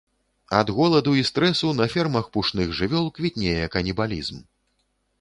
Ад голаду і стрэсу на фермах пушных жывёл квітнее канібалізм.